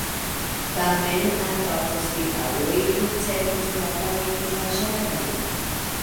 Tamen ankaŭ hospitaloj ricevos novan ekipaĵaron.